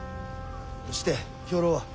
して兵糧は？